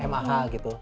enam puluh lima mah gitu